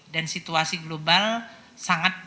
dan situasi global sangat berbeda